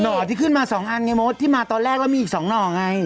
ห่อที่ขึ้นมา๒อันไงมดที่มาตอนแรกแล้วมีอีก๒หน่อไง